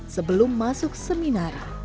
sebelum masuk seminari